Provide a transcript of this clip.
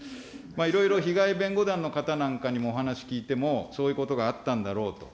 いろいろ被害弁護団の方なんかにもお話聞いても、そういうことがあったんだろうと。